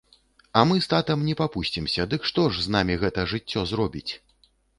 А мы з татам не папусцімся, дык што ж з намі гэта жыццё зробіць?